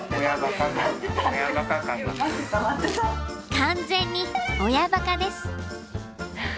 完全に親ばかです。